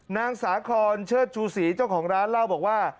นางสาคอนเชิดชูศรีเจ้าของร้านเล่าบอกว่า